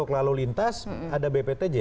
kalau lintas ada bptj